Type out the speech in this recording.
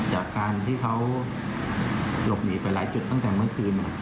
จากการที่เขาหลบหนีไปหลายจุดตั้งแต่เมื่อคืน